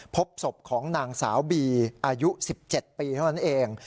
พบศพของนางสาวบีอายุ๑๗ปีเท่านั้นเอง